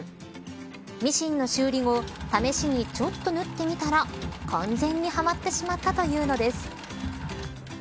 ミシンの修理後試しにちょっと縫ってみたら完全にはまってしまったというのです。